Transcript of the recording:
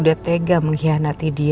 dewresident tantra kita